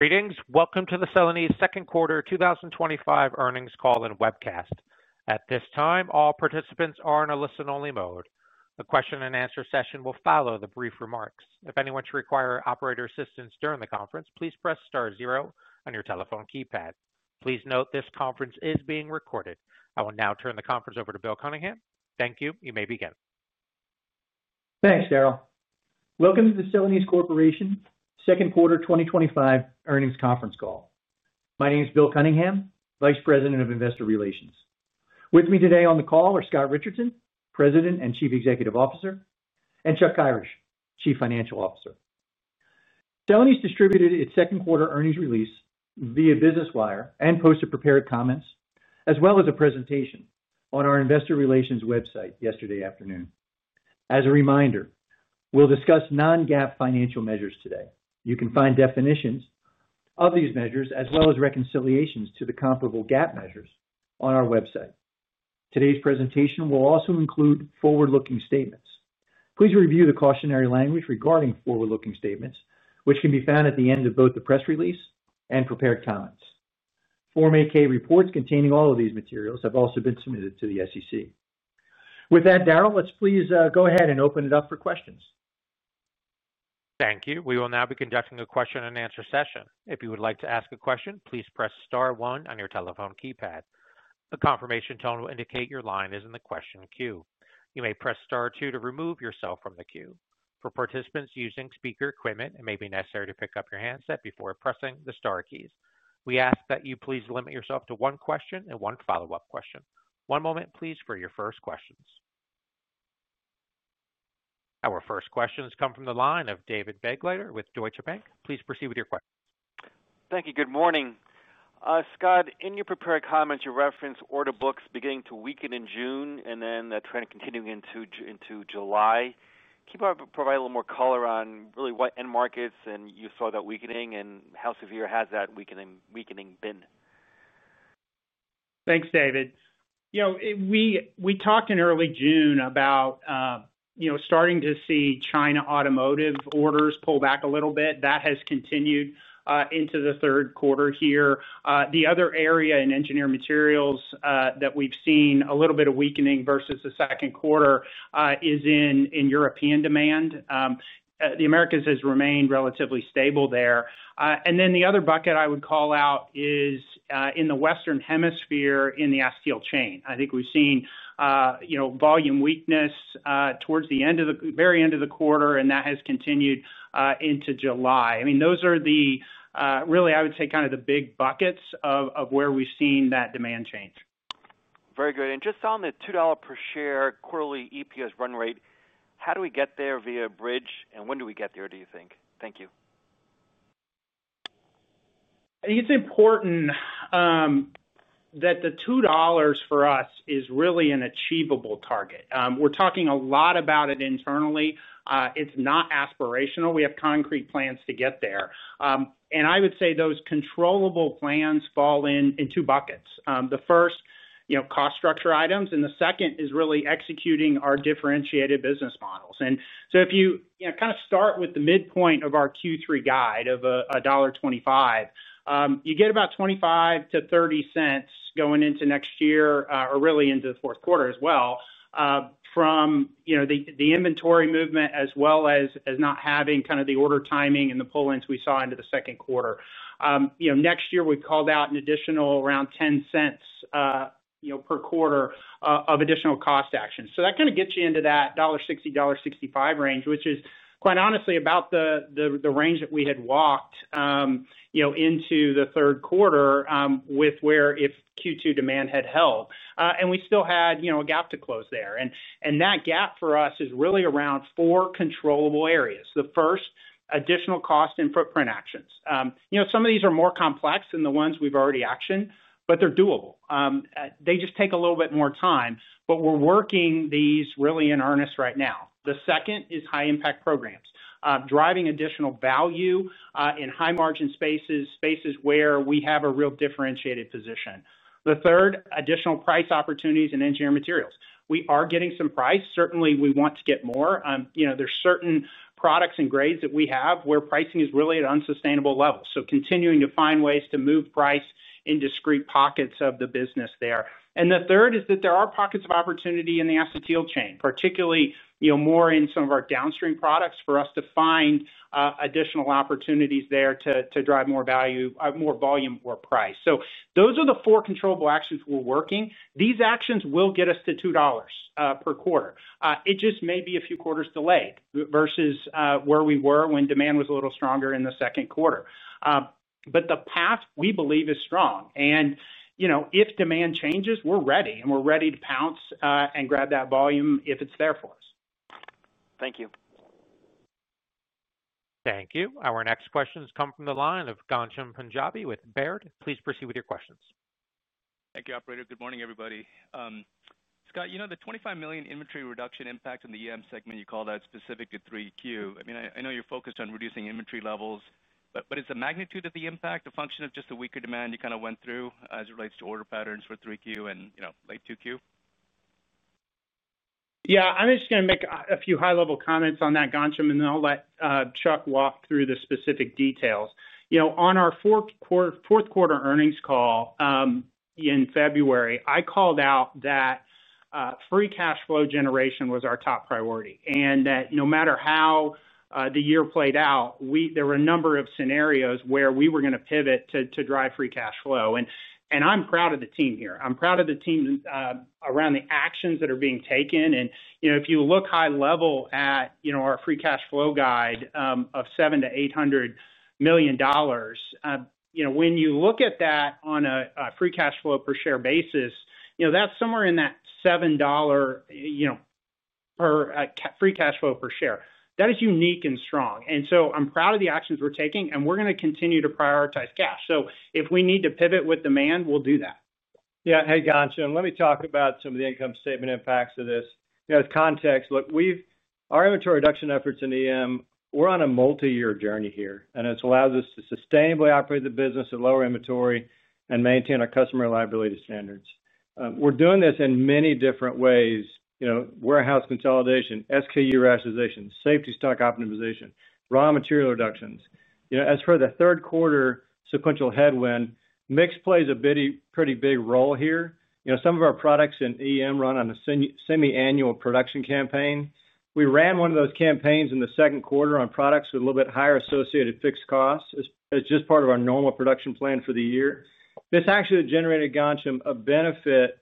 Greetings. Welcome to the Celanese Second Quarter 2025 Earnings Call and Webcast. At this time, all participants are in a listen-only mode. The question and answer session will follow the brief remarks. If anyone should require operator assistance during the conference, please press star zero on your telephone keypad. Please note this conference is being recorded. I will now turn the conference over to Bill Cunningham. Thank you. You may begin. Thanks, Daryl. Welcome to the Celanese Corporation Second Quarter 2025 Earnings Conference Call. My name is Bill Cunningham, Vice President of Investor Relations. With me today on the call are Scott Richardson, President and Chief Executive Officer, and Chuck Kyrish, Chief Financial Officer. Celanese distributed its second quarter earnings release via Business Wire and posted prepared comments, as well as a presentation on our Investor Relations website yesterday afternoon. As a reminder, we'll discuss non-GAAP financial measures today. You can find definitions of these measures, as well as reconciliations to the comparable GAAP measures, on our website. Today's presentation will also include forward-looking statements. Please review the cautionary language regarding forward-looking statements, which can be found at the end of both the press release and prepared comments. Form 8-K reports containing all of these materials have also been submitted to the SEC. With that, Daryl, let's please go ahead and open it up for questions. Thank you. We will now be conducting a question and answer session. If you would like to ask a question, please press star one on your telephone keypad. A confirmation tone will indicate your line is in the question queue. You may press star two to remove yourself from the queue. For participants using speaker equipment, it may be necessary to pick up your handset before pressing the star keys. We ask that you please limit yourself to one question and one follow-up question. One moment, please, for your first questions. Our first question has come from the line of David Begleiter with Deutsche Bank. Please proceed with your question. Thank you. Good morning. Scott, in your prepared comments, you referenced order books beginning to weaken in June, and that trend continuing into July. Can you provide a little more color on really what end markets you saw that weakening in, and how severe has that weakening been? Thanks, David. We talked in early June about starting to see China automotive orders pull back a little bit. That has continued into the third quarter here. The other area in engineered materials that we've seen a little bit of weakening versus the second quarter is in European demand. The Americas has remained relatively stable there. The other bucket I would call out is in the Western Hemisphere in the Acetyl Chain. I think we've seen volume weakness towards the very end of the quarter, and that has continued into July. Those are really, I would say, kind of the big buckets of where we've seen that demand change. Very good. Just on the $2 per share quarterly EPS run rate, how do we get there via Bridge and when do we get there, do you think? Thank you. I think it's important that the $2 for us is really an achievable target. We're talking a lot about it internally. It's not aspirational. We have concrete plans to get there. I would say those controllable plans fall in two buckets. The first, cost structure items, and the second is really executing our differentiated business models. If you start with the midpoint of our Q3 guide of $1.25, you get about $0.25-$0.30 going into next year, or really into the fourth quarter as well, from the inventory movement as well as not having the order timing and the pull-ins we saw into the second quarter. Next year we've called out an additional around $0.10 per quarter of additional cost actions. That gets you into that $1.60, $1.65 range, which is quite honestly about the range that we had walked into the third quarter with where if Q2 demand had held. We still had a gap to close there. That gap for us is really around four controllable areas. The first, additional cost and footprint actions. Some of these are more complex than the ones we've already actioned, but they're doable. They just take a little bit more time, but we're working these really in earnest right now. The second is high-impact programs, driving additional value in high-margin spaces, spaces where we have a real differentiated position. The third, additional price opportunities in engineered materials. We are getting some price. Certainly, we want to get more. There are certain products and grades that we have where pricing is really at unsustainable levels. Continuing to find ways to move price in discrete pockets of the business there. The fourth is that there are pockets of opportunity in the Acetyl Chain, particularly more in some of our downstream products for us to find additional opportunities there to drive more value, more volume, or price. Those are the four controllable actions we're working. These actions will get us to $2 per quarter. It just may be a few quarters delayed versus where we were when demand was a little stronger in the second quarter. The path we believe is strong. If demand changes, we're ready, and we're ready to pounce and grab that volume if it's there for us. Thank you. Thank you. Our next question has come from the line of Ghansham Panjabi with Baird. Please proceed with your questions. Thank you, operator. Good morning, everybody. Scott, you know, the $25 million inventory reduction impact in the EM segment, you call that specific to 3Q. I mean, I know you're focused on reducing inventory levels, but is the magnitude of the impact a function of just the weaker demand you kind of went through as it relates to order patterns for 3Q and, you know, late 2Q? Yeah, I'm just going to make a few high-level comments on that, Ghansham, and then I'll let Chuck walk through the specific details. You know, on our fourth quarter earnings call in February, I called out that free cash flow generation was our top priority. That no matter how the year played out, there were a number of scenarios where we were going to pivot to drive free cash flow. I'm proud of the team here. I'm proud of the team around the actions that are being taken. If you look high-level at our free cash flow guide of $700 million-$800 million, when you look at that on a free cash flow per share basis, that's somewhere in that $7 per free cash flow per share. That is unique and strong. I'm proud of the actions we're taking, and we're going to continue to prioritize cash. If we need to pivot with demand, we'll do that. Yeah, hey, Ghansham, let me talk about some of the income statement impacts of this. As context, look, our inventory reduction efforts in EM, we're on a multi-year journey here, and it's allowed us to sustainably operate the business with lower inventory and maintain our customer reliability standards. We're doing this in many different ways, warehouse consolidation, SKU rationalization, safety stock optimization, raw material reductions. As for the third quarter sequential headwind, mix plays a pretty big role here. Some of our products in EM run on a semi-annual production campaign. We ran one of those campaigns in the second quarter on products with a little bit higher associated fixed costs. It's just part of our normal production plan for the year. This actually generated, Ghansham, a benefit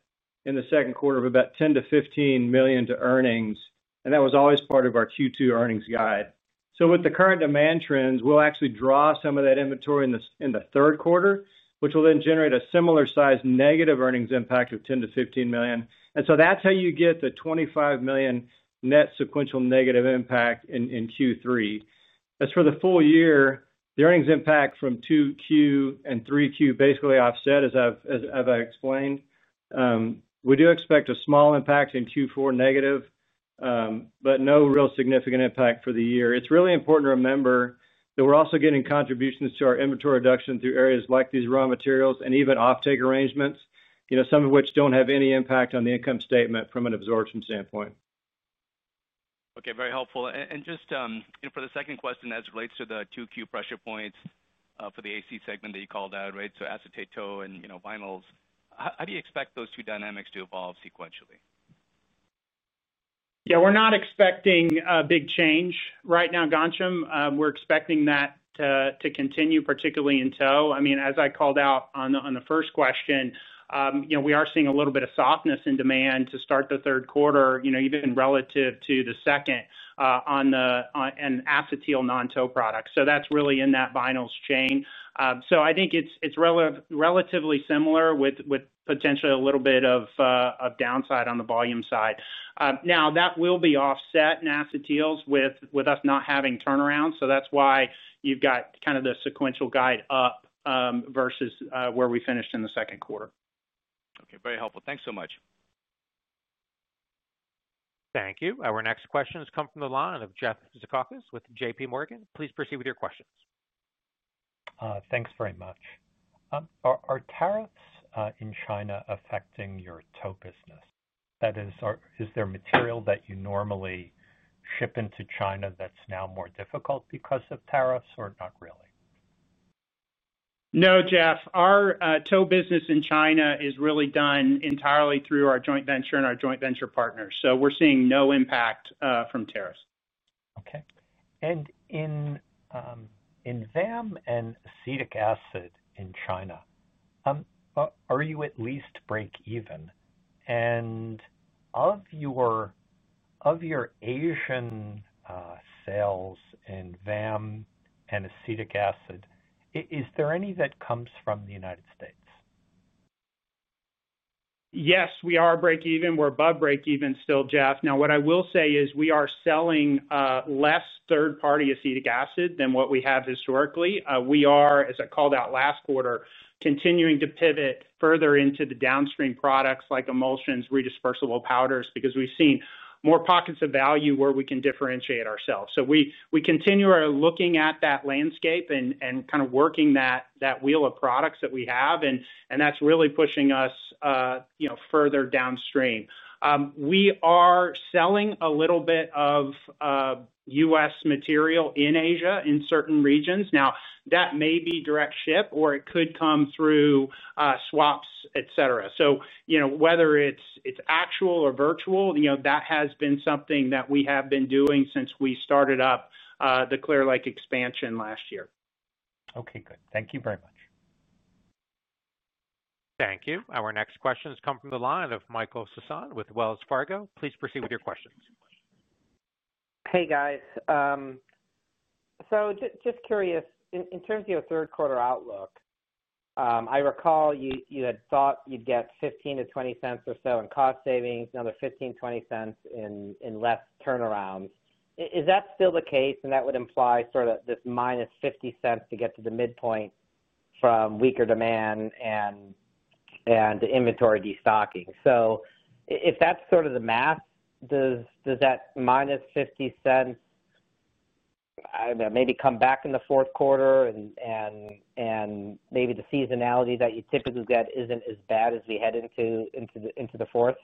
in the second quarter of about $10 million-$15 million to earnings, and that was always part of our Q2 earnings guide. With the current demand trends, we'll actually draw some of that inventory in the third quarter, which will then generate a similar size negative earnings impact of $10 million-$15 million. That's how you get the $25 million net sequential negative impact in Q3. As for the full year, the earnings impact from Q2 and Q3 basically offset, as I've explained. We do expect a small impact in Q4 negative, but no real significant impact for the year. It's really important to remember that we're also getting contributions to our inventory reduction through areas like these raw materials and even off-take arrangements, some of which don't have any impact on the income statement from an absorption standpoint. Okay, very helpful. For the second question, as it relates to the 2Q pressure points for the AC segment that you called out, right? Acetate tow and, you know, vinyls. How do you expect those two dynamics to evolve sequentially? Yeah, we're not expecting a big change right now, Ghansham. We're expecting that to continue, particularly in tow. I mean, as I called out on the first question, you know, we are seeing a little bit of softness in demand to start the third quarter, you know, even relative to the second on an acetyl non-tow product. That's really in that vinyls chain. I think it's relatively similar with potentially a little bit of downside on the volume side. That will be offset in acetyls with us not having turnaround. That's why you've got kind of the sequential guide up versus where we finished in the second quarter. Okay, very helpful. Thanks so much. Thank you. Our next question has come from the line of Jeff Zekauskas with JPMorgan. Please proceed with your questions. Thanks very much. Are tariffs in China affecting your tow business? That is, is there material that you normally ship into China that's now more difficult because of tariffs or not really? No, Jeff, our tow business in China is really done entirely through our joint venture and our joint venture partners. We're seeing no impact from tariffs. Okay. In VAM and Acetic Acid in China, are you at least break-even? Of your Asian sales in VAM and Acetic Acid, is there any that comes from the United States? Yes, we are break-even. We're above break-even still, Jeff. What I will say is we are selling less third-party acetic acid than what we have historically. We are, as I called out last quarter, continuing to pivot further into the downstream products like emulsions, redispersible powders because we've seen more pockets of value where we can differentiate ourselves. We continue looking at that landscape and kind of working that wheel of products that we have, and that's really pushing us further downstream. We are selling a little bit of U.S. material in Asia in certain regions. That may be direct ship or it could come through swaps, et cetera. Whether it's actual or virtual, that has been something that we have been doing since we started up the Clear Lake expansion last year. Okay, good. Thank you very much. Thank you. Our next question has come from the line of Michael Sison with Wells Fargo. Please proceed with your questions. Hey, guys. In terms of your third-quarter outlook, I recall you had thought you'd get $0.15-$0.20 or so in cost savings, another $0.15-$0.20 in less turnaround. Is that still the case? That would imply this -$0.50 to get to the midpoint from weaker demand and inventory destocking. If that's the math, does that -$0.50 maybe come back in the fourth quarter and maybe the seasonality that you typically get isn't as bad as we head into the fourth?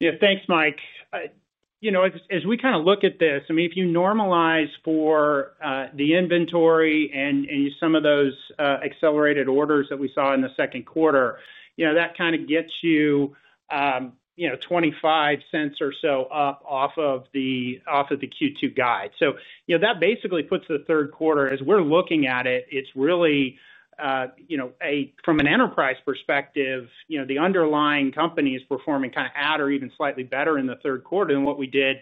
Yeah, thanks, Mike. As we kind of look at this, if you normalize for the inventory and some of those accelerated orders that we saw in the second quarter, that gets you $0.25 or so up off of the Q2 guide. That basically puts the third quarter, as we're looking at it, really from an enterprise perspective, the underlying company is performing at or even slightly better in the third quarter than what we did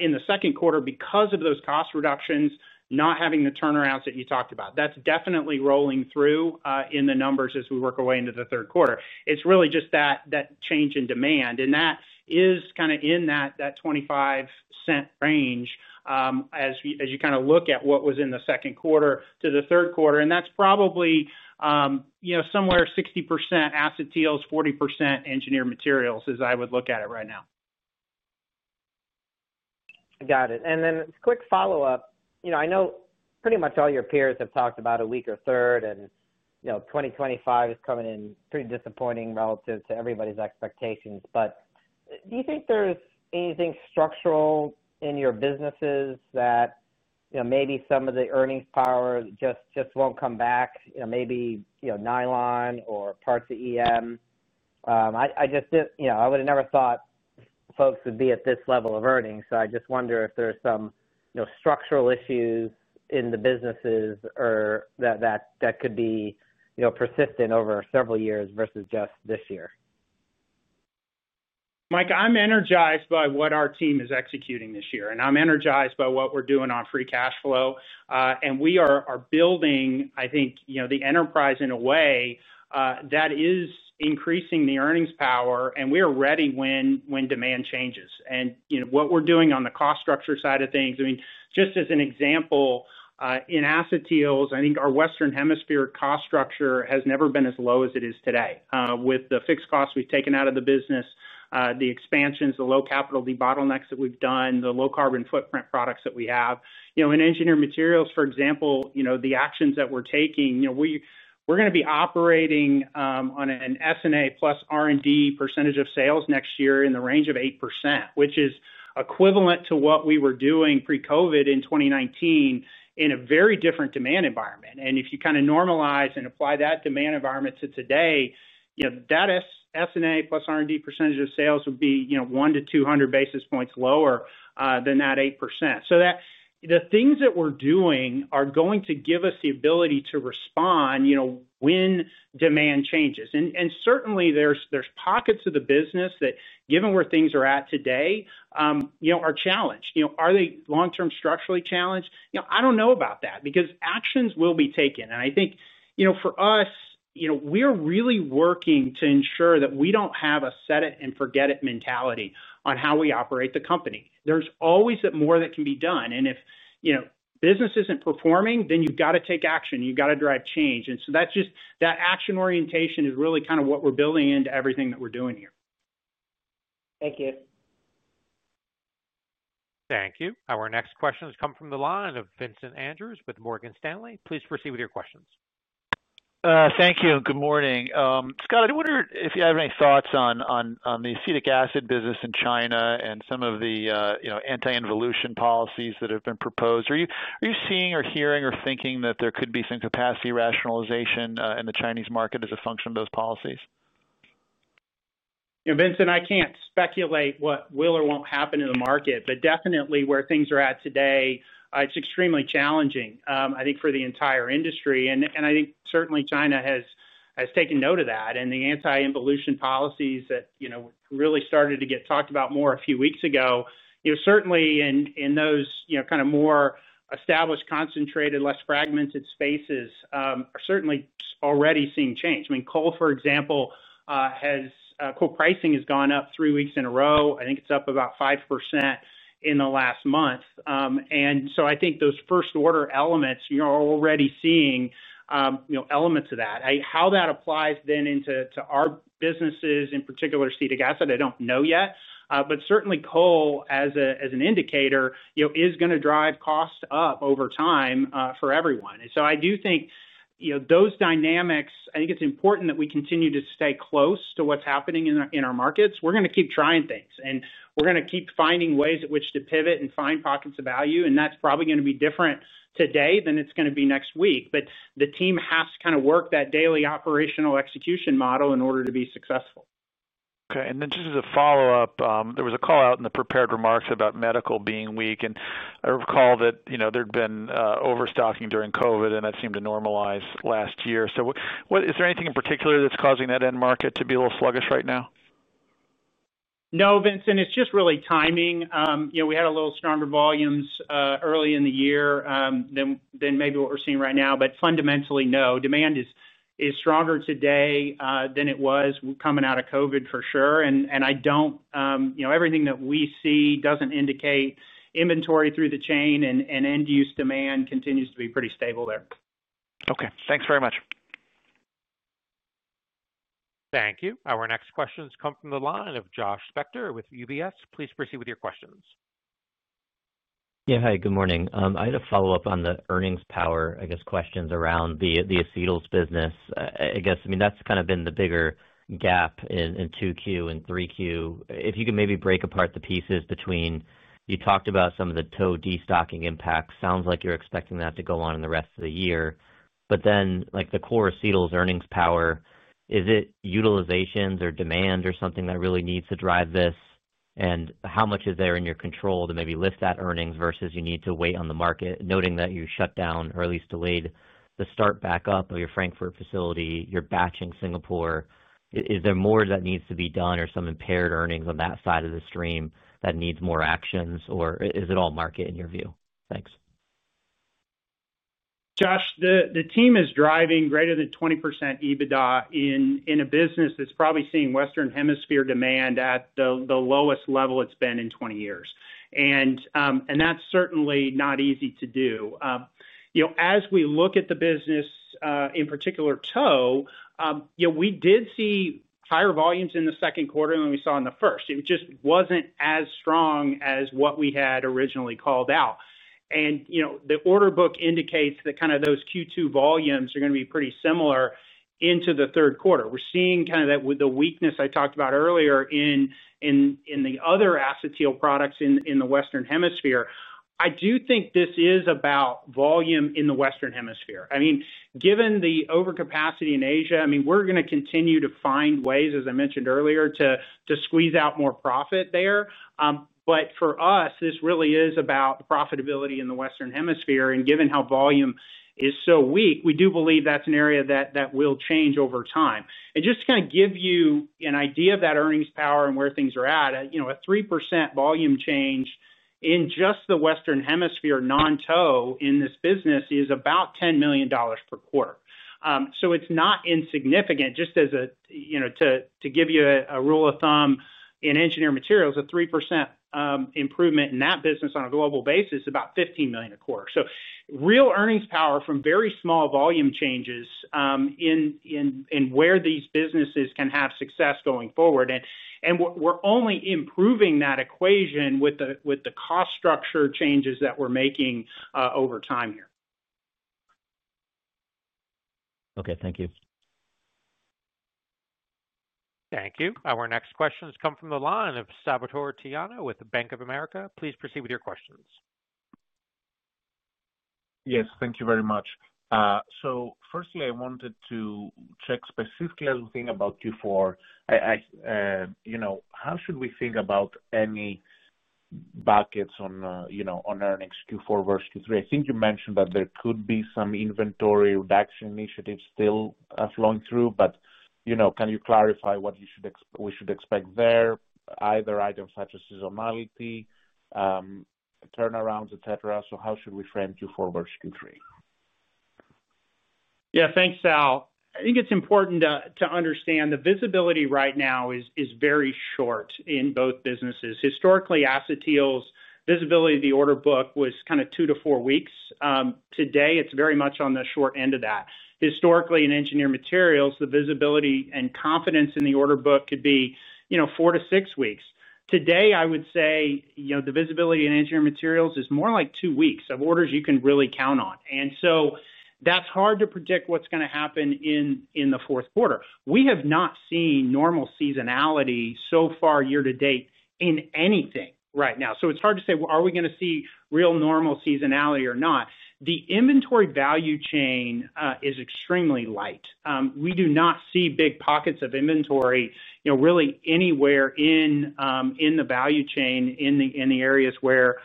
in the second quarter because of those cost reductions, not having the turnarounds that you talked about. That's definitely rolling through in the numbers as we work our way into the third quarter. It's really just that change in demand. That is kind of in that $0.25 range as you look at what was in the second quarter to the third quarter. That's probably somewhere 60% acetyls, 40% engineered materials as I would look at it right now. Got it. A quick follow-up. I know pretty much all your peers have talked about a weaker third and 2025 is coming in pretty disappointing relative to everybody's expectations. Do you think there's anything structural in your businesses that maybe some of the earnings power just won't come back? Maybe nylon or parts of EM? I just didn't, I would have never thought folks would be at this level of earnings. I just wonder if there's some structural issues in the businesses or that could be persistent over several years versus just this year. Mike, I'm energized by what our team is executing this year. I'm energized by what we're doing on free cash flow. We are building, I think, you know, the enterprise in a way that is increasing the earnings power. We are ready when demand changes. What we're doing on the cost structure side of things, just as an example, in acetyls, I think our Western Hemisphere cost structure has never been as low as it is today. With the fixed costs we've taken out of the business, the expansions, the low capital de-bottlenecks that we've done, the low carbon footprint products that we have. In Engineered Materials, for example, the actions that we're taking, we're going to be operating on an S&A plus R&D percentage of sales next year in the range of 8%, which is equivalent to what we were doing pre-COVID in 2019 in a very different demand environment. If you kind of normalize and apply that demand environment to today, that S&A plus R&D percentage of sales would be 100 basis points-200 basis points lower than that 8%. The things that we're doing are going to give us the ability to respond when demand changes. Certainly, there's pockets of the business that, given where things are at today, are challenged. Are they long-term structurally challenged? I don't know about that because actions will be taken. For us, we're really working to ensure that we don't have a set-it-and-forget-it mentality on how we operate the company. There's always more that can be done. If business isn't performing, then you've got to take action. You've got to drive change. That action orientation is really kind of what we're building into everything that we're doing here. Thank you. Thank you. Our next question has come from the line of Vincent Andrews with Morgan Stanley. Please proceed with your questions. Thank you. Good morning. Scott, I wonder if you have any thoughts on the acetic acid business in China and some of the, you know, anti-involution policies that have been proposed. Are you seeing or hearing or thinking that there could be some capacity rationalization in the Chinese market as a function of those policies? You know, Vincent, I can't speculate what will or won't happen in the market, but definitely where things are at today, it's extremely challenging, I think, for the entire industry. I think certainly China has taken note of that. The anti-involution policies that really started to get talked about more a few weeks ago, certainly in those kind of more established, concentrated, less fragmented spaces are already seeing change. I mean, coal, for example, coal pricing has gone up three weeks in a row. I think it's up about 5% in the last month. I think those first-order elements are already seeing elements of that. How that applies then into our businesses, in particular, acetic acid, I don't know yet. Certainly coal, as an indicator, is going to drive costs up over time for everyone. I do think those dynamics, I think it's important that we continue to stay close to what's happening in our markets. We're going to keep trying things. We're going to keep finding ways at which to pivot and find pockets of value. That's probably going to be different today than it's going to be next week. The team has to kind of work that daily operational execution model in order to be successful. Okay. Just as a follow-up, there was a call out in the prepared remarks about Medical being weak. I recall that, you know, there had been overstocking during COVID, and that seemed to normalize last year. Is there anything in particular that's causing that end market to be a little sluggish right now? No, Vincent, it's just really timing. We had a little stronger volumes early in the year than maybe what we're seeing right now. Fundamentally, no, demand is stronger today than it was coming out of COVID for sure. I don't, you know, everything that we see doesn't indicate inventory through the chain, and end-use demand continues to be pretty stable there. Okay, thanks very much. Thank you. Our next question has come from the line of Josh Spector with UBS. Please proceed with your questions. Yeah, hi, good morning. I had a follow-up on the earnings power, questions around the acetyls business. I mean, that's kind of been the bigger gap in 2Q and 3Q. If you could maybe break apart the pieces between, you talked about some of the tow destocking impacts. Sounds like you're expecting that to go on in the rest of the year. Like the core acetyls earnings power, is it utilizations or demand or something that really needs to drive this? How much is there in your control to maybe lift that earnings versus you need to wait on the market, noting that you shut down or at least delayed the start back up of your Frankfurt facility, your batch in Singapore? Is there more that needs to be done or some impaired earnings on that side of the stream that needs more actions, or is it all market in your view? Thanks. Josh, the team is driving greater than 20% EBITDA in a business that's probably seeing Western Hemisphere demand at the lowest level it's been in 20 years. That's certainly not easy to do. As we look at the business, in particular tow, we did see higher volumes in the second quarter than we saw in the first. It just wasn't as strong as what we had originally called out. The order book indicates that those Q2 volumes are going to be pretty similar into the third quarter. We're seeing that with the weakness I talked about earlier in the other acetyl products in the Western Hemisphere. I do think this is about volume in the Western Hemisphere. Given the overcapacity in Asia, we're going to continue to find ways, as I mentioned earlier, to squeeze out more profit there. For us, this really is about profitability in the Western Hemisphere. Given how volume is so weak, we do believe that's an area that will change over time. Just to give you an idea of that earnings power and where things are at, a 3% volume change in just the Western Hemisphere non-tow in this business is about $10 million per quarter. It's not insignificant. To give you a rule of thumb, in Engineered Materials, a 3% improvement in that business on a global basis is about $15 million a quarter. Real earnings power from very small volume changes in where these businesses can have success going forward. We're only improving that equation with the cost structure changes that we're making over time here. Okay, thank you. Thank you. Our next question has come from the line of Salvator Tiano with Bank of America. Please proceed with your questions. Yes, thank you very much. Firstly, I wanted to check specifically as we think about Q4. How should we think about any buckets on earnings Q4 versus Q3? I think you mentioned that there could be some inventory reduction initiatives still flowing through, but can you clarify what we should expect there, either items such as seasonality, turnarounds, et cetera? How should we frame Q4 versus Q3? Yeah, thanks, Sal. I think it's important to understand the visibility right now is very short in both businesses. Historically, acetyls, visibility to the order book was kind of two to four weeks. Today, it's very much on the short end of that. Historically, in engineered materials, the visibility and confidence in the order book could be, you know, four to six weeks. Today, I would say, you know, the visibility in engineered materials is more like two weeks of orders you can really count on. That's hard to predict what's going to happen in the fourth quarter. We have not seen normal seasonality so far year to date in anything right now. It's hard to say, are we going to see real normal seasonality or not? The inventory value chain is extremely light. We do not see big pockets of inventory, you know, really anywhere in the value chain in the areas where,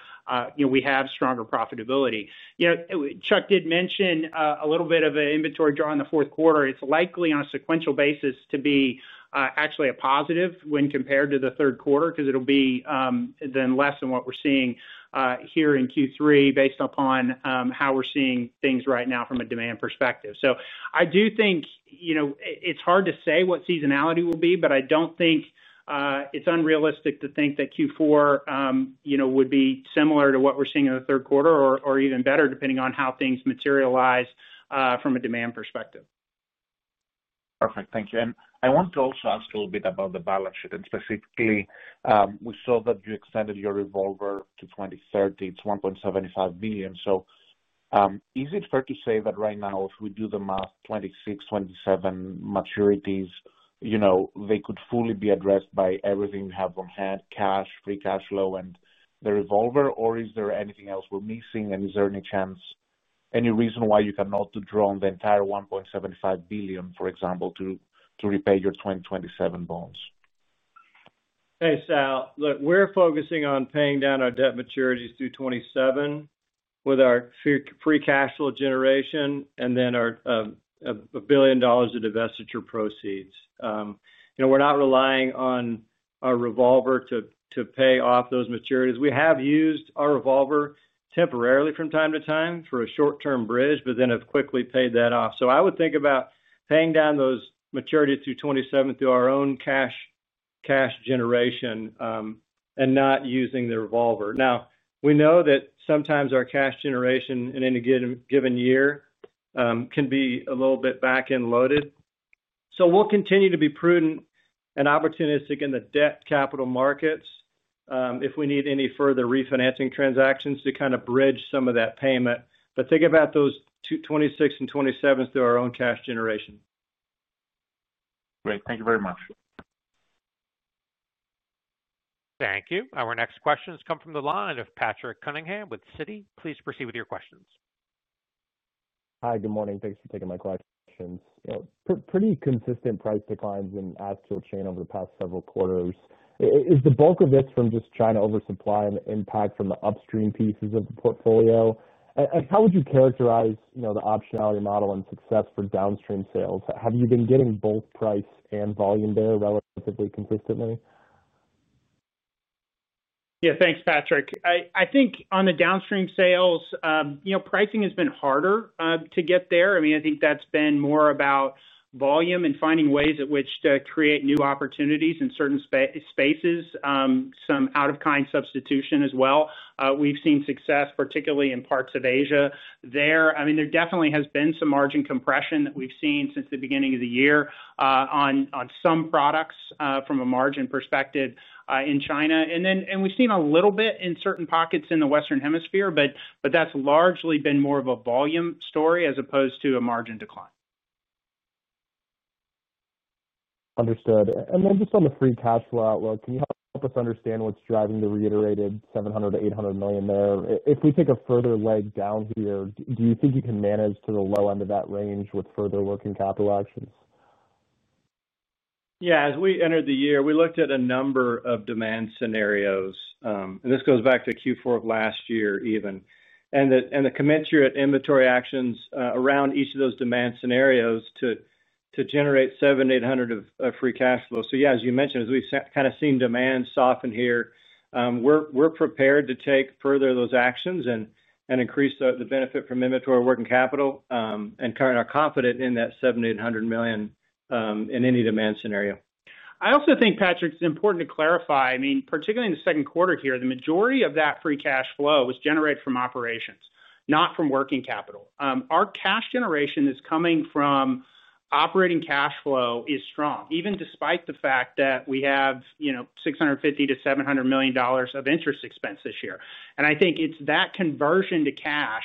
you know, we have stronger profitability. Chuck did mention a little bit of an inventory draw in the fourth quarter. It's likely on a sequential basis to be actually a positive when compared to the third quarter because it'll be then less than what we're seeing here in Q3 based upon how we're seeing things right now from a demand perspective. I do think, you know, it's hard to say what seasonality will be, but I don't think it's unrealistic to think that Q4 would be similar to what we're seeing in the third quarter or even better depending on how things materialize from a demand perspective. Perfect. Thank you. I want to also ask a little bit about the balance sheet. Specifically, we saw that you extended your revolver to 2030. It's $1.75 billion. Is it fair to say that right now, if we do the math, 2026, 2027 maturities could fully be addressed by everything you have on hand, cash, free cash flow, and the revolver? Is there anything else we're missing? Is there any chance, any reason why you cannot draw on the entire $1.75 billion, for example, to repay your 2027 bonds? Hey, Sal. Look, we're focusing on paying down our debt maturities through 2027 with our free cash flow generation and then our $1 billion of divestiture proceeds. We're not relying on our revolver to pay off those maturities. We have used our revolver temporarily from time to time for a short-term bridge, but then have quickly paid that off. I would think about paying down those maturities through 2027 through our own cash generation and not using the revolver. We know that sometimes our cash generation in any given year can be a little bit back-end loaded. We will continue to be prudent and opportunistic in the debt capital markets if we need any further refinancing transactions to kind of bridge some of that payment. Think about those 2026 and 2027 through our own cash generation. Great. Thank you very much. Thank you. Our next question has come from the line of Patrick Cunningham with Citi. Please proceed with your questions. Hi, good morning. Thanks for taking my questions. Pretty consistent price declines in the Acetyl Chain over the past several quarters. Is the bulk of this from just China oversupply and the impact from the upstream pieces of the portfolio? How would you characterize the optionality model and success for downstream sales? Have you been getting both price and volume there relatively consistently? Yeah, thanks, Patrick. I think on the downstream sales, pricing has been harder to get there. I mean, I think that's been more about volume and finding ways at which to create new opportunities in certain spaces, some out-of-kind substitution as well. We've seen success, particularly in parts of Asia there. There definitely has been some margin compression that we've seen since the beginning of the year on some products from a margin perspective in China. We've seen a little bit in certain pockets in the Western Hemisphere, but that's largely been more of a volume story as opposed to a margin decline. Understood. On the free cash flow outlook, can you help us understand what's driving the reiterated $700 million-$800 million there? If we take a further leg down here, do you think you can manage to the low end of that range with further working capital actions? As we entered the year, we looked at a number of demand scenarios. This goes back to Q4 of last year even. The commensurate inventory actions around each of those demand scenarios were to generate $700 million-$800 million of free cash flow. As you mentioned, as we've kind of seen demand soften here, we're prepared to take further those actions and increase the benefit from inventory working capital. Currently, we're confident in that $700 million-$800 million in any demand scenario. I also think, Patrick, it's important to clarify, particularly in the second quarter here, the majority of that free cash flow was generated from operations, not from working capital. Our cash generation is coming from operating cash flow, which is strong, even despite the fact that we have $650 million-$700 million of interest expense this year. I think it's that conversion to cash,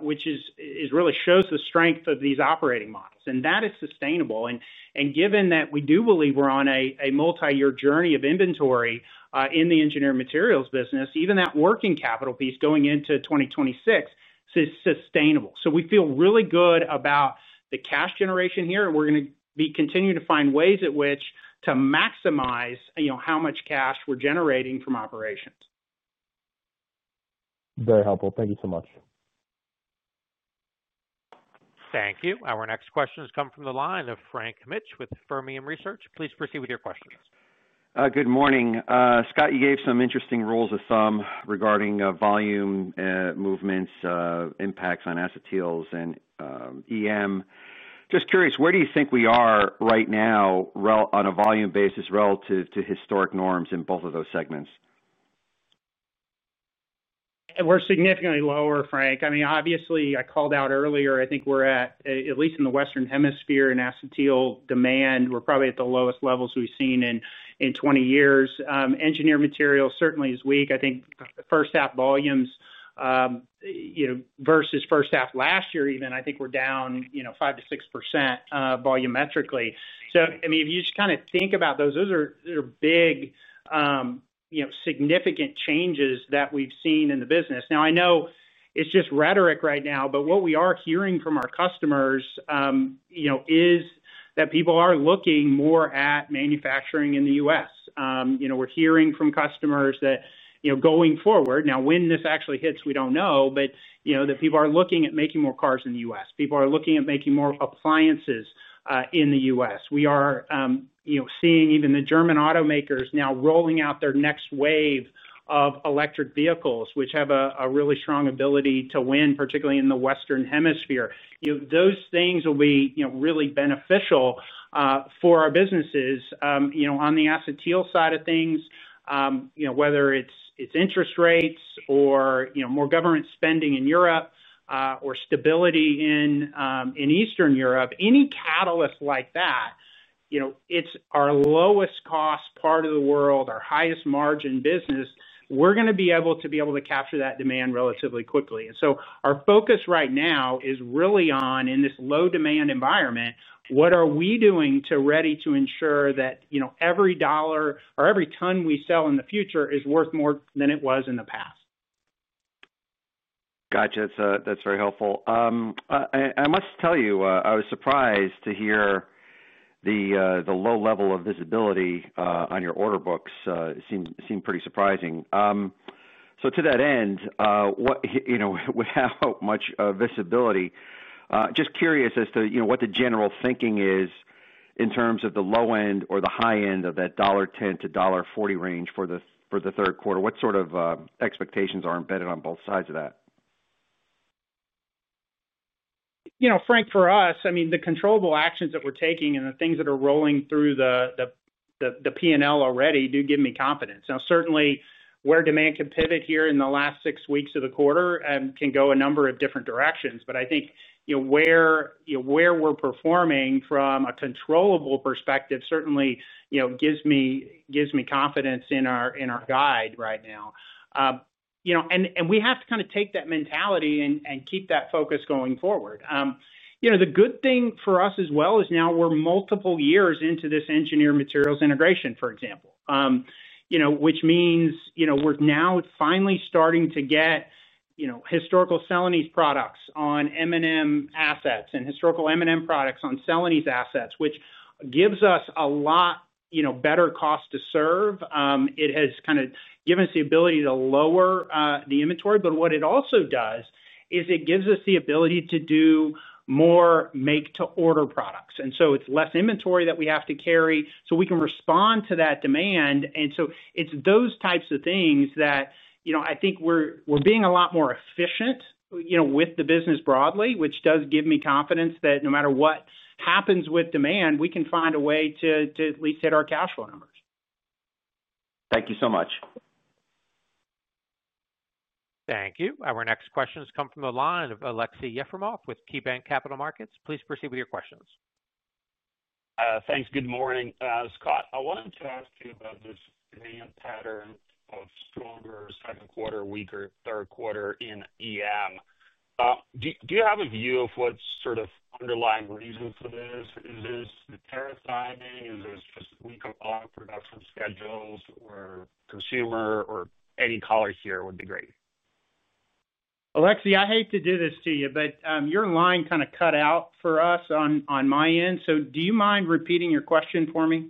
which really shows the strength of these operating models. That is sustainable. Given that we do believe we're on a multi-year journey of inventory in the engineered materials business, even that working capital piece going into 2026 is sustainable. We feel really good about the cash generation here, and we're going to be continuing to find ways at which to maximize how much cash we're generating from operations. Very helpful. Thank you so much. Thank you. Our next question has come from the line of Frank Mitsch with Fermium Research. Please proceed with your questions. Good morning. Scott, you gave some interesting rules of thumb regarding volume movements, impacts on acetyls and EM. Just curious, where do you think we are right now on a volume basis relative to historic norms in both of those segments? We're significantly lower, Frank. Obviously, I called out earlier, I think we're at, at least in the Western Hemisphere in acetyl demand, we're probably at the lowest levels we've seen in 20 years. Engineered materials certainly is weak. I think first half volumes, you know, versus first half last year even, I think we're down 5%-6% volumetrically. If you just kind of think about those, those are big, significant changes that we've seen in the business. I know it's just rhetoric right now, but what we are hearing from our customers is that people are looking more at manufacturing in the U.S. We're hearing from customers that, going forward, now when this actually hits, we don't know, but people are looking at making more cars in the U.S. People are looking at making more appliances in the U.S. We are seeing even the German automakers now rolling out their next wave of electric vehicles, which have a really strong ability to win, particularly in the Western Hemisphere. Those things will be really beneficial for our businesses. On the acetyl side of things, whether it's interest rates or more government spending in Europe or stability in Eastern Europe, any catalyst like that, it's our lowest cost part of the world, our highest margin business. We're going to be able to capture that demand relatively quickly. Our focus right now is really on, in this low demand environment, what are we doing to ensure that every dollar or every ton we sell in the future is worth more than it was in the past. Gotcha. That's very helpful. I must tell you, I was surprised to hear the low level of visibility on your order books, seemed pretty surprising. To that end, without much visibility, just curious as to what the general thinking is in terms of the low end or the high end of that $1.10-$1.40 range for the third quarter. What sort of expectations are embedded on both sides of that? Frank, for us, the controllable actions that we're taking and the things that are rolling through the P&L already do give me confidence. Certainly, where demand could pivot here in the last six weeks of the quarter can go a number of different directions. I think where we're performing from a controllable perspective certainly gives me confidence in our guide right now. We have to kind of take that mentality and keep that focus going forward. The good thing for us as well is now we're multiple years into this engineered materials integration, for example, which means we're now finally starting to get historical Celanese products on M&M assets and historical M&M products on Celanese assets, which gives us a lot better cost to serve. It has kind of given us the ability to lower the inventory, but what it also does is it gives us the ability to do more make-to-order products. It's less inventory that we have to carry, so we can respond to that demand. It's those types of things that I think we're being a lot more efficient with the business broadly, which does give me confidence that no matter what happens with demand, we can find a way to at least hit our cash flow numbers. Thank you so much. Thank you. Our next question has come from the line of Aleksey Yefremov with KeyBanc Capital Markets. Please proceed with your questions. Thanks. Good morning. Scott, I wanted to ask you about this demand pattern of stronger second quarter, weaker third quarter in EM. Do you have a view of what's sort of the underlying reason for this? Is this the tariff side? Is this just weak production schedules or consumer, or any color here would be great? Aleksey, I hate to do this to you, but your line kind of cut out for us on my end. Do you mind repeating your question for me?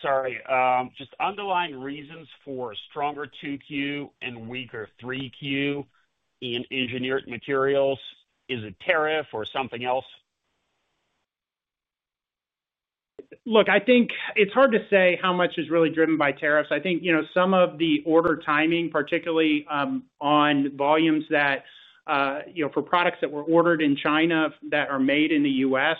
Sorry. Just underlying reasons for stronger 2Q and weaker 3Q in engineered materials. Is it tariff or something else? Look, I think it's hard to say how much is really driven by tariffs. I think some of the order timing, particularly on volumes that, for products that were ordered in China that are made in the U.S.,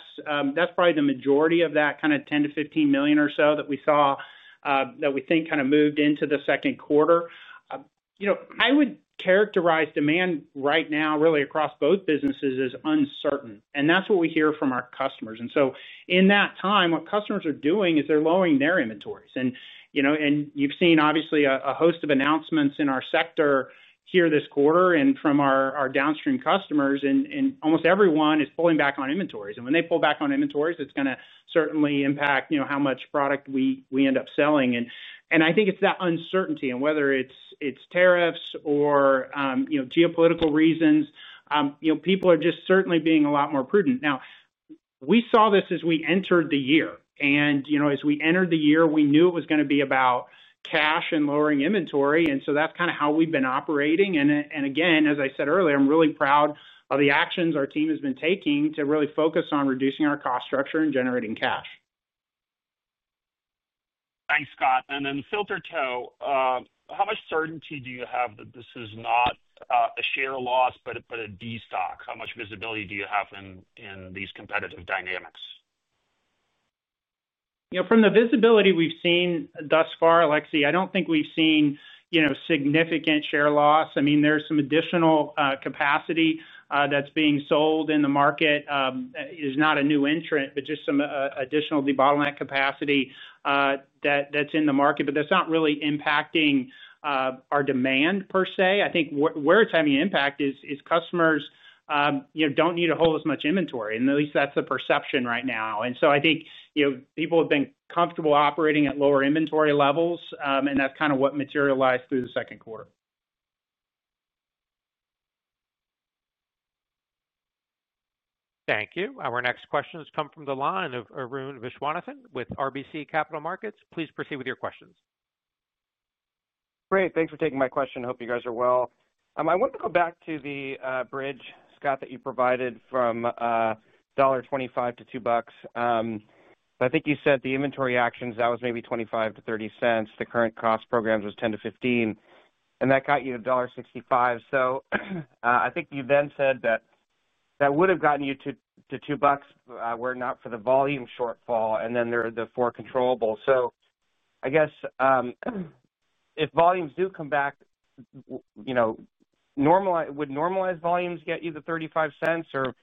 that's probably the majority of that kind of $10 million-$15 million or so that we saw that we think kind of moved into the second quarter. I would characterize demand right now really across both businesses as uncertain. That's what we hear from our customers. In that time, what customers are doing is they're lowering their inventories. You've seen obviously a host of announcements in our sector here this quarter and from our downstream customers, and almost everyone is pulling back on inventories. When they pull back on inventories, it's going to certainly impact how much product we end up selling. I think it's that uncertainty and whether it's tariffs or geopolitical reasons, people are just certainly being a lot more prudent. We saw this as we entered the year. As we entered the year, we knew it was going to be about cash and lowering inventory. That's kind of how we've been operating. Again, as I said earlier, I'm really proud of the actions our team has been taking to really focus on reducing our cost structure and generating cash. Thanks, Scott. Filter tow, how much certainty do you have that this is not a share loss but a destock? How much visibility do you have in these competitive dynamics? You know, from the visibility we've seen thus far, Aleksey, I don't think we've seen significant share loss. I mean, there's some additional capacity that's being sold in the market. It is not a new entrant, just some additional debottleneck capacity that's in the market. That's not really impacting our demand per se. I think where it's having an impact is customers don't need to hold as much inventory, at least that's the perception right now. I think people have been comfortable operating at lower inventory levels, and that's kind of what materialized through the second quarter. Thank you. Our next question has come from the line of Arun Viswanathan with RBC Capital Markets. Please proceed with your questions. Great. Thanks for taking my question. I hope you guys are well. I want to go back to the bridge, Scott, that you provided from $1.25-$2. I think you said the inventory actions, that was maybe $0.25-$0.30. The current cost programs was $0.10-$0.15, and that got you to $1.65. I think you then said that that would have gotten you to $2 were it not for the volume shortfall and then the four controllables. I guess if volumes do come back, would normalized volumes get you the $0.35? Or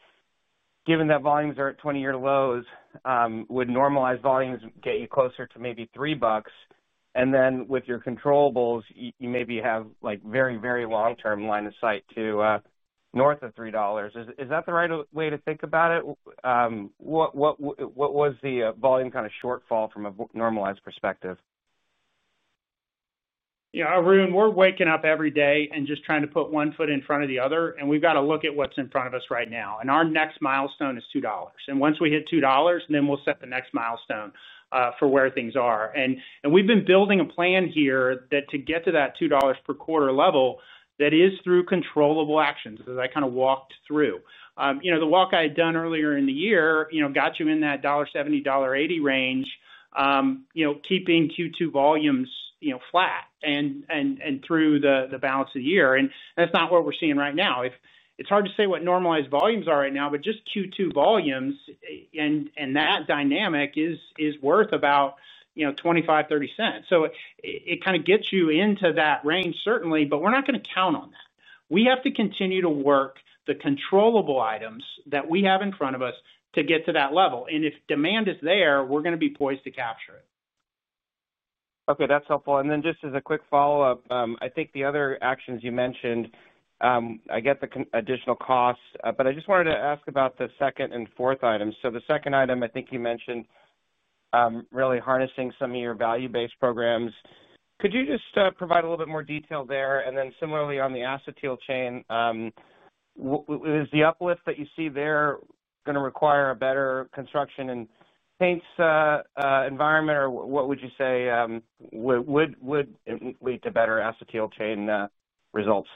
given that volumes are at 20-year lows, would normalized volumes get you closer to maybe $3? With your controllables you maybe have like very, very long-term line of sight to north of $3. Is that the right way to think about it? What was the volume kind of shortfall from a normalized perspective? Yeah, Arun, we're waking up every day and just trying to put one foot in front of the other. We've got to look at what's in front of us right now. Our next milestone is $2. Once we hit $2, we'll set the next milestone for where things are. We've been building a plan here to get to that $2 per quarter level that is through controllable actions that I kind of walked through. The walk I had done earlier in the year got you in that $1.70, $1.80 range, keeping Q2 volumes flat and through the balance of the year. That's not what we're seeing right now. It's hard to say what normalized volumes are right now, but just Q2 volumes and that dynamic is worth about $0.25, $0.30. It kind of gets you into that range certainly, but we're not going to count on that. We have to continue to work the controllable items that we have in front of us to get to that level. If demand is there, we're going to be poised to capture it. Okay, that's helpful. Just as a quick follow-up, I think the other actions you mentioned, I get the additional costs, but I just wanted to ask about the second and fourth items. The second item, I think you mentioned really harnessing some of your value-based programs. Could you just provide a little bit more detail there? Similarly, on the Acetyl Chain, is the uplift that you see there going to require a better construction and paints environment, or what would you say would lead to better acetyl chain results?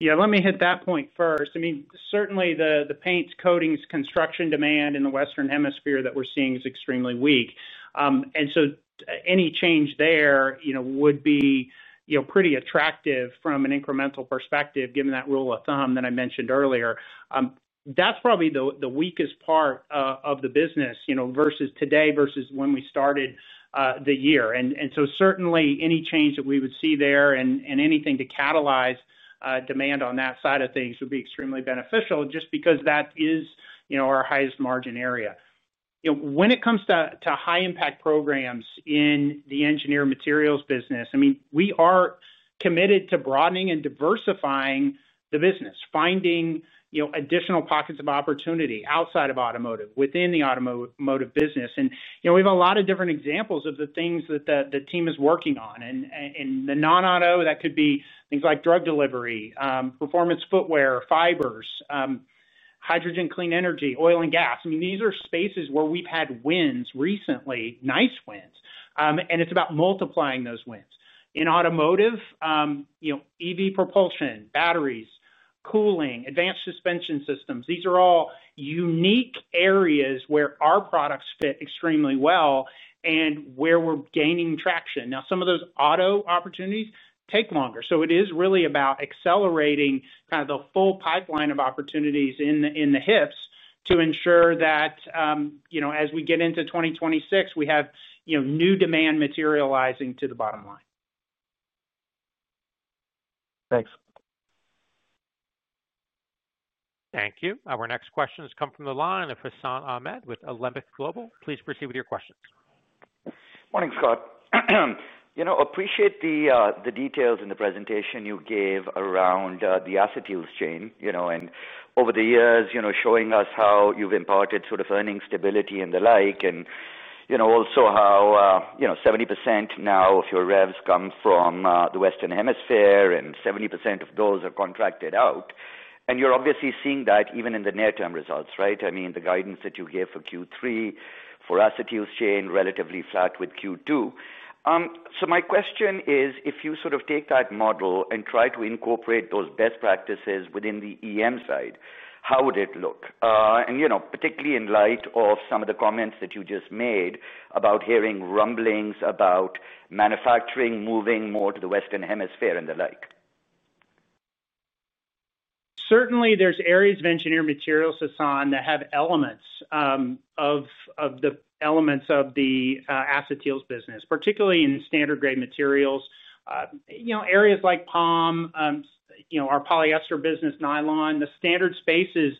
Yeah, let me hit that point first. Certainly, the paints, coatings, construction demand in the Western Hemisphere that we're seeing is extremely weak. Any change there would be pretty attractive from an incremental perspective, given that rule of thumb that I mentioned earlier. That's probably the weakest part of the business versus today, versus when we started the year. Certainly, any change that we would see there and anything to catalyze demand on that side of things would be extremely beneficial, just because that is our highest margin area. When it comes to high-impact programs in the engineered materials business, we are committed to broadening and diversifying the business, finding additional pockets of opportunity outside of automotive, within the automotive business. We have a lot of different examples of the things that the team is working on. In the non-auto, that could be things like drug delivery, performance footwear, fibers, hydrogen, clean energy, oil, and gas. These are spaces where we've had wins recently, nice wins. It's about multiplying those wins. In automotive, EV propulsion, batteries, cooling, advanced suspension systems, these are all unique areas where our products fit extremely well and where we're gaining traction. Some of those auto opportunities take longer. It is really about accelerating kind of the full pipeline of opportunities in the HIPs to ensure that as we get into 2026, we have new demand materializing to the bottom line. Thanks. Thank you. Our next question has come from the line of Hassan Ahmed with Alembic Global. Please proceed with your questions. Morning, Scott. I appreciate the details in the presentation you gave around the Acetyl Chain, and over the years, showing us how you've imparted sort of earnings stability and the like. Also, how 70% now of your revs come from the Western Hemisphere and 70% of those are contracted out. You're obviously seeing that even in the near-term results, right? I mean, the guidance that you gave for Q3 for Acetyl Chain is relatively flat with Q2. My question is, if you sort of take that model and try to incorporate those best practices within the EM side, how would it look? Particularly in light of some of the comments that you just made about hearing rumblings about manufacturing moving more to the Western Hemisphere and the like. Certainly, there's areas of engineered materials, Hassan, that have elements of the acetyl business, particularly in standard grade materials. Areas like POM, our polyester business, nylon, the standard spaces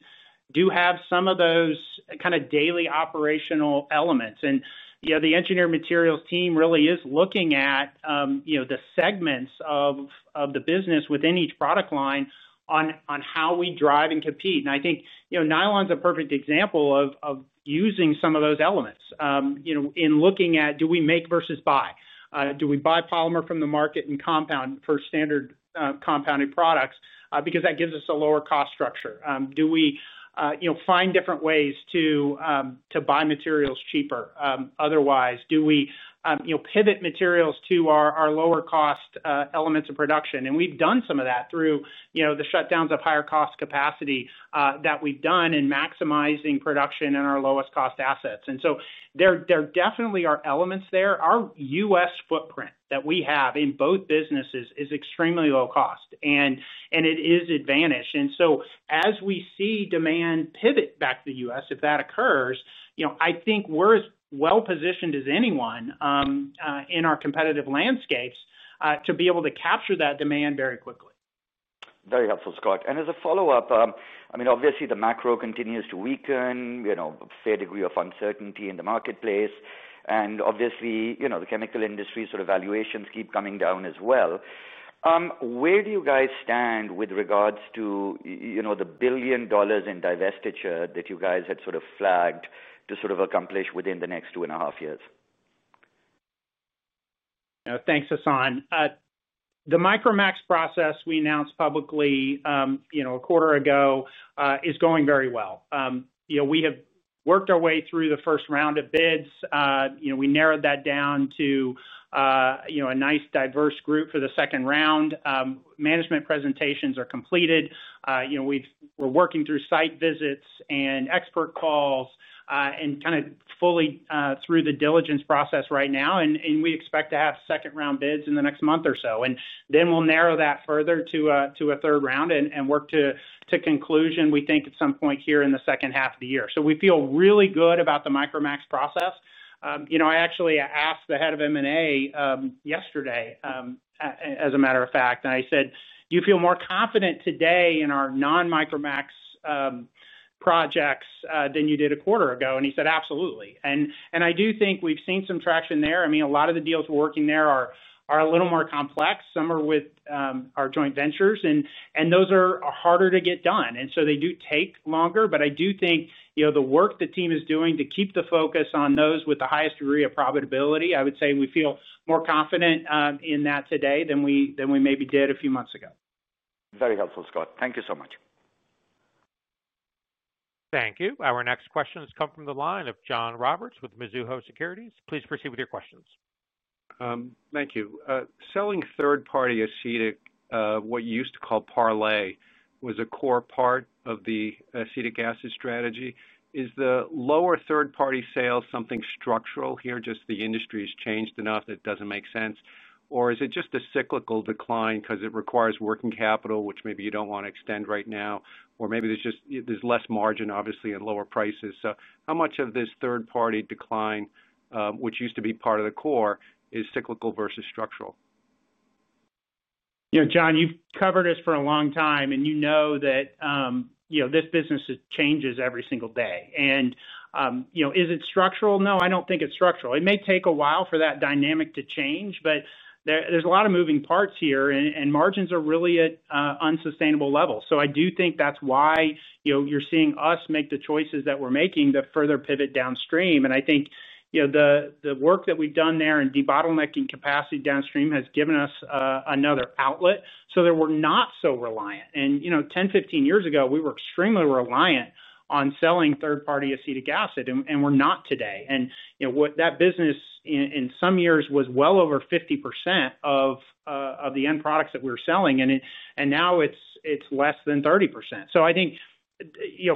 do have some of those kind of daily operational elements. The engineered materials team really is looking at the segments of the business within each product line on how we drive and compete. I think nylon is a perfect example of using some of those elements in looking at do we make versus buy. Do we buy polymer from the market and compound for standard compounded products? Because that gives us a lower cost structure. Do we find different ways to buy materials cheaper? Otherwise, do we pivot materials to our lower cost elements of production? We've done some of that through the shutdowns of higher cost capacity that we've done in maximizing production in our lowest cost assets. There definitely are elements there. Our U.S. footprint that we have in both businesses is extremely low cost. It is advantaged. As we see demand pivot back to the U.S., if that occurs, I think we're as well positioned as anyone in our competitive landscapes to be able to capture that demand very quickly. Very helpful, Scott. As a follow-up, obviously, the macro continues to weaken, a fair degree of uncertainty in the marketplace. Obviously, the chemical industry sort of valuations keep coming down as well. Where do you guys stand with regards to the $1 billion in divestiture that you guys had sort of flagged to accomplish within the next two and a half years? Thanks, Hassan. The Micromax process we announced publicly a quarter ago is going very well. We have worked our way through the first round of bids. We narrowed that down to a nice diverse group for the second round. Management presentations are completed. We're working through site visits and expert calls and fully through the diligence process right now. We expect to have second round bids in the next month or so. We will narrow that further to a third round and work to conclusion, we think, at some point here in the second half of the year. We feel really good about the Micromax process. I actually asked the head of M&A yesterday, as a matter of fact, and I said, "You feel more confident today in our non-Micromax projects than you did a quarter ago?" He said, "Absolutely." I do think we've seen some traction there. A lot of the deals we're working there are a little more complex. Some are with our joint ventures, and those are harder to get done. They do take longer. I do think the work the team is doing to keep the focus on those with the highest degree of profitability, I would say we feel more confident in that today than we maybe did a few months ago. Very helpful, Scott. Thank you so much. Thank you. Our next question has come from the line of John Roberts with Mizuho Securities. Please proceed with your questions. Thank you. Selling third-party acetyl, what you used to call parlay, was a core part of the acetic acid strategy. Is the lower third-party sales something structural here? The industry has changed enough that it doesn't make sense? Is it just a cyclical decline because it requires working capital, which maybe you don't want to extend right now? Maybe there's just less margin, obviously, and lower prices. How much of this third-party decline, which used to be part of the core, is cyclical versus structural? John, you've covered us for a long time, and you know that this business changes every single day. Is it structural? No, I don't think it's structural. It may take a while for that dynamic to change, but there's a lot of moving parts here, and margins are really at unsustainable levels. I do think that's why you're seeing us make the choices that we're making to further pivot downstream. I think the work that we've done there in de-bottlenecking capacity downstream has given us another outlet so that we're not so reliant. 10, 15 years ago, we were extremely reliant on selling third-party acetic acid, and we're not today. That business in some years was well over 50% of the end products that we were selling, and now it's less than 30%.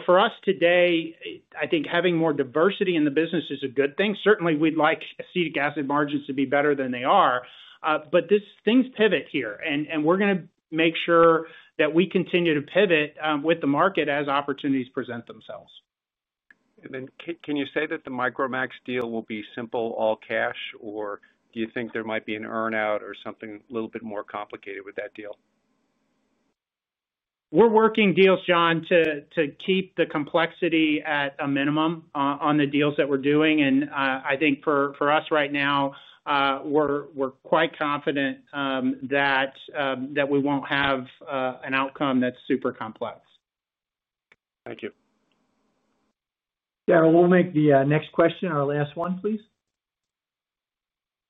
For us today, I think having more diversity in the business is a good thing. Certainly, we'd like acetic acid margins to be better than they are, but things pivot here, and we're going to make sure that we continue to pivot with the market as opportunities present themselves. Can you say that the Micromax deal will be simple all cash, or do you think there might be an earnout or something a little bit more complicated with that deal? We're working deals, John, to keep the complexity at a minimum on the deals that we're doing. I think for us right now, we're quite confident that we won't have an outcome that's super complex. Thank you. Daryl, we'll make the next question our last one, please.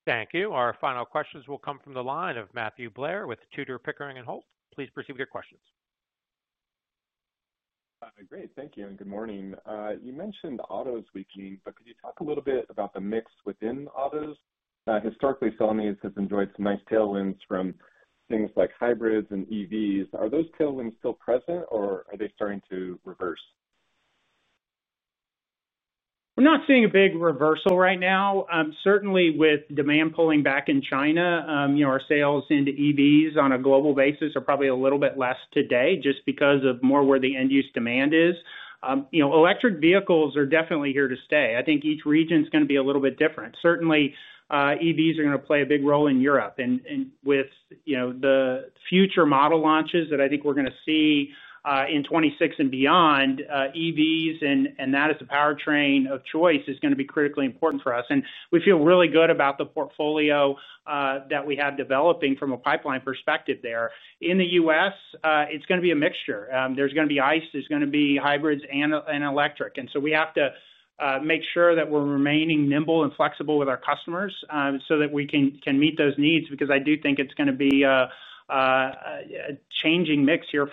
Thank you. Our final questions will come from the line of Matthew Blair with Tudor, Pickering, Holt. Please proceed with your questions. Great. Thank you, and good morning. You mentioned autos leaking, but could you talk a little bit about the mix within autos? Historically, Celanese has enjoyed some nice tailwinds from things like hybrids and EVs. Are those tailwinds still present, or are they starting to reverse? We're not seeing a big reversal right now. Certainly, with demand pulling back in China, our sales into electric vehicles on a global basis are probably a little bit less today just because of more where the end-use demand is. Electric vehicles are definitely here to stay. I think each region is going to be a little bit different. Certainly, electric vehicles are going to play a big role in Europe. With the future model launches that I think we're going to see in 2026 and beyond, electric vehicles and that as the powertrain of choice is going to be critically important for us. We feel really good about the portfolio that we have developing from a pipeline perspective there. In the U.S., it's going to be a mixture. There's going to be internal combustion engines. There's going to be hybrids and electric. We have to make sure that we're remaining nimble and flexible with our customers so that we can meet those needs because I do think it's going to be a changing mix here.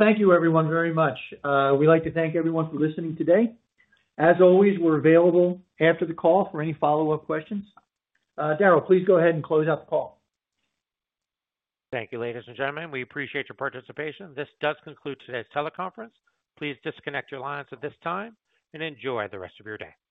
Thank you, everyone, very much. We'd like to thank everyone for listening today. As always, we're available after the call for any follow-up questions. Daryl, please go ahead and close out the call. Thank you, ladies and gentlemen. We appreciate your participation. This does conclude today's teleconference. Please disconnect your lines at this time and enjoy the rest of your day.